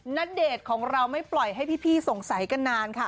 ณเดชน์ของเราไม่ปล่อยให้พี่สงสัยกันนานค่ะ